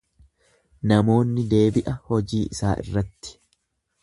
Namoonni deebi'a hojii isaa irratti.